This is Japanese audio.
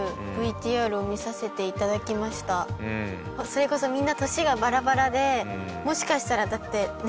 それこそみんな年がバラバラでもしかしたらだってねえ